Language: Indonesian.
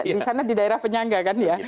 di sana di daerah penyangga kan ya